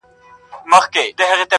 لار به څرنګه مهار سي د پېړیو د خونیانو٫